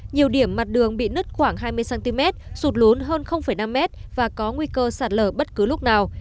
nhiều điểm mặt đường bị nứt khoảng hai mươi cm sụt lún hơn năm mét và có nguy cơ sạt lở bất cứ lúc nào